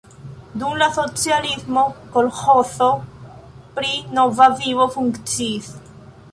Dum la socialismo kolĥozo pri Nova Vivo funkciis.